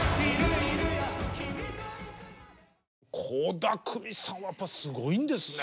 倖田來未さんはやっぱすごいんですね。